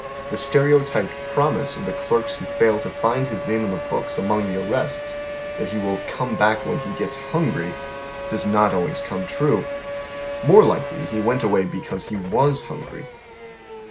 The stereotyped proni ^.v,v ^y. 200 HOW THE OTHER HALF LIVES. ise of the clerks who fail to find his naine on the books among the ari'ests, that he " will come back when he gets hungry," does not always coine true. More likely he went away because lie was hungry.